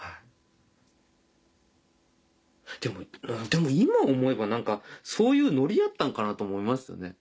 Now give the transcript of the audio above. でも今思えば何かそういうノリやったんかなと思いますよね。